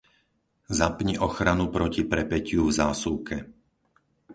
Zapni ochranu proti prepätiu v zásuvke.